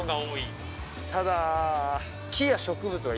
ただ。